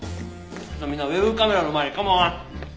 「みんなウェブカメラの前にカモン！」